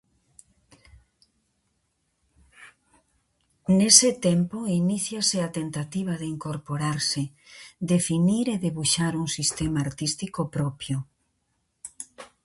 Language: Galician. Nese tempo iníciase a tentativa de incorporarse, definir e debuxar un sistema artístico propio.